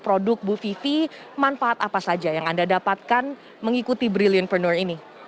produk bu vivi manfaat apa saja yang anda dapatkan mengikuti brilliantpreneur ini